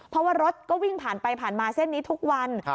เพราะว่ารถก็วิ่งผ่านไปผ่านมาเส้นนี้ทุกวัน